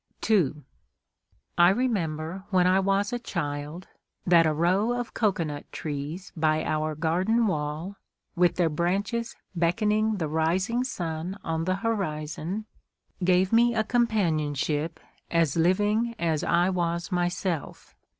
II I remember, when I was a child, that a row of cocoanut trees by our garden wall, with their branches beckoning the rising sun on the horizon, gave me a companionship as living as I was myself.